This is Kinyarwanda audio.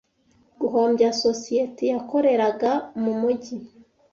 guhombya sosiyeti yakoreraga mu mujyi